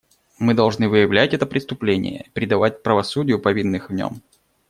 Мы должны выявлять это преступление и предавать правосудию повинных в нем.